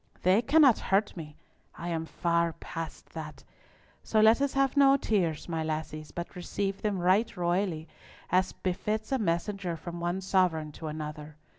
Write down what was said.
They cannot hurt me! I am far past that! So let us have no tears, my lassies, but receive them right royally, as befits a message from one sovereign to another!